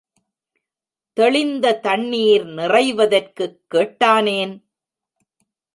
தெளிந்த தண்ணீர் நிறைவதற்குக் கேட்டானேன்.